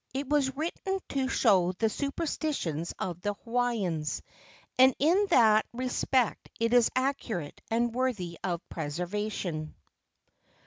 It was written to show the superstitions of the Hawaiians, and in that re¬ spect it is accurate and worthy of preservation.